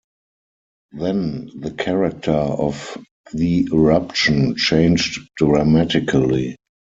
Then the character of the eruption changed dramatically.